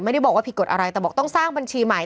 ไม่ได้บอกว่าผิดกฎอะไรแต่บอกต้องสร้างบัญชีใหม่